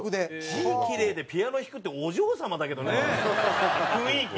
字キレイでピアノ弾くってお嬢様だけどね雰囲気。